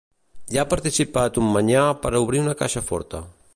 Hi ha participat un manyà per a obrir una caixa forta.